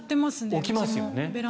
置きますよね。